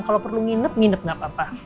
kalau perlu nginep nginep gak apa apa